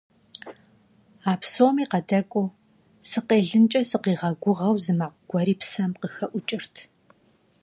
А псоми къадэкӀуэу, сыкъелынкӀэ сигъэгугъэу, зы макъ гуэри псэм къыхэӀукӀырт.